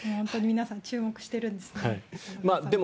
皆さん注目しているんですね。